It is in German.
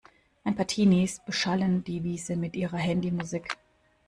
Ein paar Teenies beschallen die Wiese mit ihrer Handymusik.